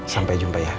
sampai jumpa ya